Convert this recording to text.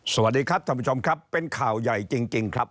สวัสดีครับท่านผู้ชมครับเป็นข่าวใหญ่จริงครับ